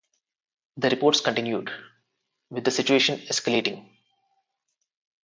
The reports continued, with the situation escalating.